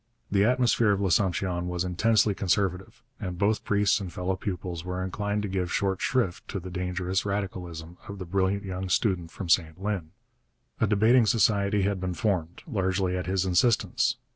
The atmosphere of L'Assomption was intensely conservative, and both priests and fellow pupils were inclined to give short shrift to the dangerous radicalism of the brilliant young student from St Lin. A debating society had been formed, largely at his insistence.